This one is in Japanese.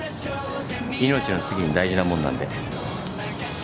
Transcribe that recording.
命の次に大事なもんなんで。